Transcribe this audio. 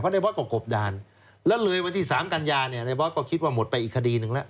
ในบอสก็กบดานแล้วเลยวันที่๓กันยาเนี่ยในบอสก็คิดว่าหมดไปอีกคดีหนึ่งแล้ว